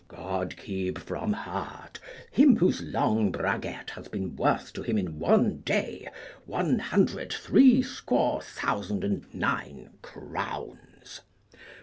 God keep from hurt him whose long braguet hath been worth to him in one day one hundred threescore thousand and nine crowns!